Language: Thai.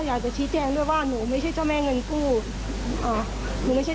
ข้าเชื่อใจค่ะที่ว่ามีคลิปหลุดเชียวออกไปอย่างนั้น